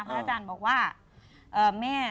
พระอาจารย์บอกว่า